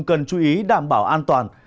cần chú ý đảm bảo an toàn